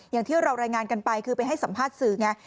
อย่างที่เรารายงานกันไปคือไปให้สัมภาษณ์สื่อไง